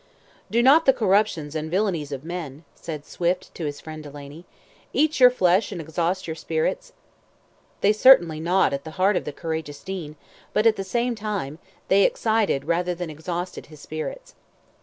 "Do not the corruptions and villainies of men," said Swift to his friend Delaney, "eat your flesh and exhaust your spirits?" They certainly gnawed at the heart of the courageous Dean, but at the same time, they excited rather than exhausted his spirits.